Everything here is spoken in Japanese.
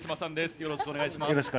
よろしくお願いします。